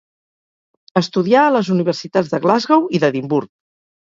Estudià a les universitats de Glasgow i d'Edimburg.